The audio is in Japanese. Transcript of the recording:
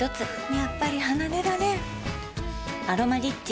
やっぱり離れられん「アロマリッチ」